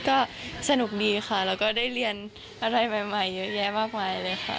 ก็สนุกดีค่ะแล้วก็ได้เรียนอะไรใหม่เยอะแยะมากมายเลยค่ะ